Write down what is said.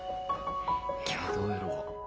今日はどうやろ？